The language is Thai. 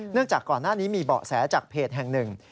จากก่อนหน้านี้มีเบาะแสจากเพจแห่งหนึ่ง